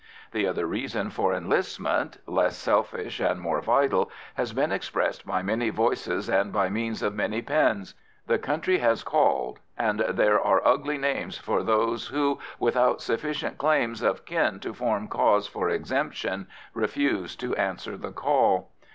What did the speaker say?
The other reason for enlistment, less selfish and more vital, has been expressed by many voices and by means of many pens; the country has called, and there are ugly names for those who, without sufficient claims of kin to form cause for exemption, refuse to answer the call.